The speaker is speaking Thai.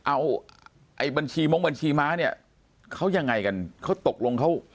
เอาไอ้บัญชีมงบัญชีม้าเนี่ยเขายังไงกันเขาตกลงเขา